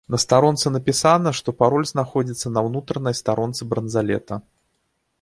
На старонцы напісана, што пароль знаходзіцца на ўнутранай старонцы бранзалета.